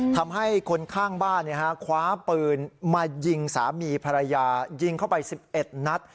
ทำให้คนข้างบ้านคว้าปืนมายิงสามีภรรยายิงเข้าไป๑๑นัด